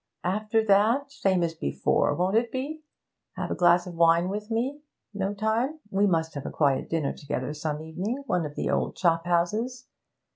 After that, same as before, won't it be? Have a glass of wine with me? No time? We must have a quiet dinner together some evening; one of the old chop houses.